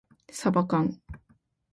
さばかん